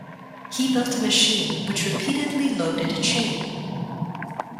He built a machine which repeatedly loaded a chain.